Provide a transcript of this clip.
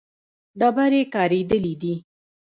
ډبرې کارېدلې دي.